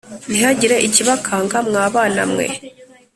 Ntihagire ikibakanga mwabana mwe